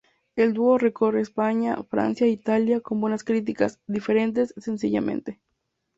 El dúo recorre España, Francia e Italia con buenas críticas ""Diferente, sencillamente.